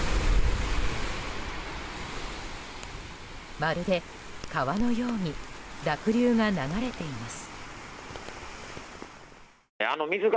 まるで、川のように濁流が流れています。